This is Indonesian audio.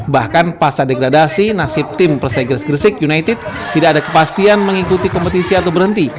bahkan pasca degradasi nasib tim persegilas gresik united tidak ada kepastian mengikuti kompetisi atau berhenti